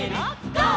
「ゴー！